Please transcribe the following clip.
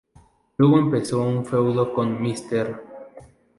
Luego empezó un feudo con Mr.